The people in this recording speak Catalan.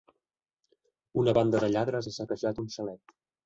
Una banda de lladres ha saquejat un xalet.